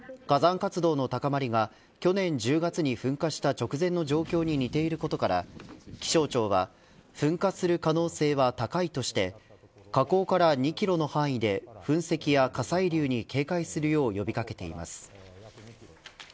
火山活動の高まりが去年１０月に噴火した直前の状況に似ていることから気象庁は噴火する可能性は高いとして火口から２キロの範囲で噴石や火砕流に警戒するよう呼び掛けています。